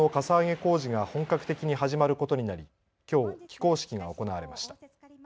工事が本格的に始まることになりきょう起工式が行われました。